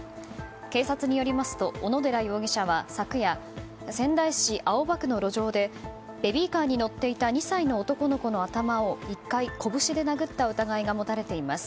警察によりますと小野寺容疑者は昨夜仙台市青葉区の路上でベビーカーに乗っていた２歳の男の子の頭を１回、拳で殴った疑いが持たれています。